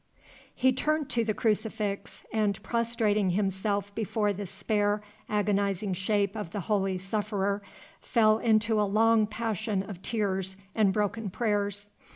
He turned to the crucifix, and, prostrating himself before the spare, agonizing shape of the Holy Sufferer, fell into a long passion of tears and broken prayers.